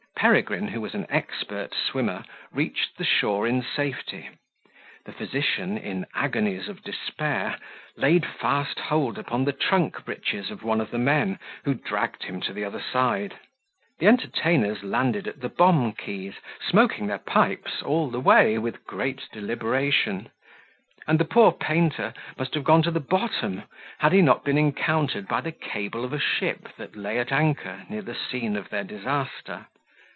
Peregrine, who was an expert swimmer, reached the shore in safety; the physician, in the agonies of despair, laid fast hold on the trunk breeches of one of the men, who dragged him to the other side; the entertainers landed at the bomb keys, smoking their pipes all the way with great deliberation; and the poor painter must have gone to the bottom, had not he been encountered by the cable of a ship that lay at anchor near the scene of their disaster.